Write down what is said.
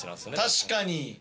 確かに。